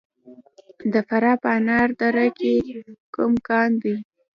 د فراه په انار دره کې کوم کان دی؟